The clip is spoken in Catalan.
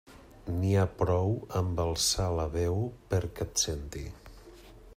N'hi ha prou amb alçar la veu perquè et senti.